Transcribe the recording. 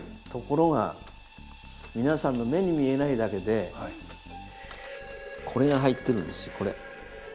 ところが皆さんの目に見えないだけでこれが入ってるんですよこれ。